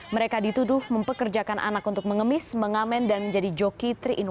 mereka dituduh mempekerjakan anak untuk mengemis mengamen dan menjadi joki tiga in satu